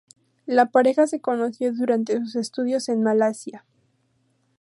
La pareja se conoció durante sus estudios en Malasia.